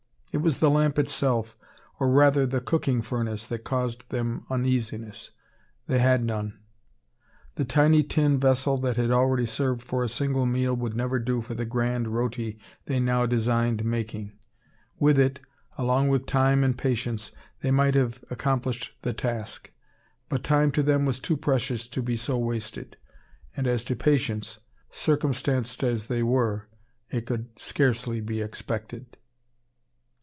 It was the lamp itself, or rather the cooking furnace, that caused them uneasiness. They had none. The tiny tin vessel that had already served for a single meal would never do for the grand roti they now designed making. With it, along with time and patience, they might have accomplished the task; but time to them was too precious to be so wasted; and as to patience, circumstanced as they were, it could scarcely be expected.